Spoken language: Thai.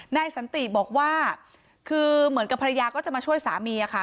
นายสันติบอกว่าคือเหมือนกับภรรยาก็จะมาช่วยสามีค่ะ